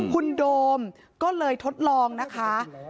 คุณโดมก็เลยทดลองนะคะ